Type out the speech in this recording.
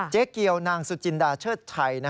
เจ๊เกียวนางสุจินดาเชิดชัย